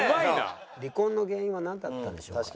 「離婚の原因はなんだったんでしょうか？」。